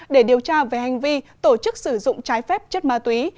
để điều tra về hành vi tổ chức sử dụng trái phép chất ma túy